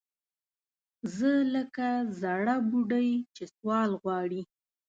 زه لکه زَړه بوډۍ چې سوال غواړي